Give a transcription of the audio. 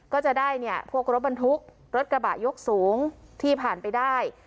ก็จะได้เนี่ยพวกรถบรรทุกรถกระบะยกสูงที่ผ่านไปได้